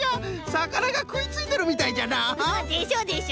さかながくいついてるみたいじゃな。でしょ？でしょ？